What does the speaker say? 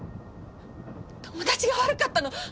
友達が悪かったの。